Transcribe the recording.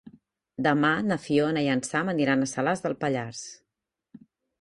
Demà na Fiona i en Sam aniran a Salàs de Pallars.